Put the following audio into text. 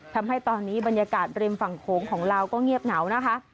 ทำให้ตอนนี้บรรยากาศริมฝั่งโขงของลาวก็เงียบเหงานะคะ